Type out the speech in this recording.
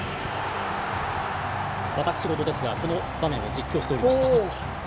私ごとですがこの場面を実況しておりました。